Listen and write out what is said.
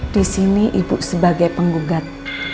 di sini ibu sebagai penggugat